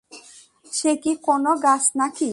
সে কি কোনও গাছ নাকি?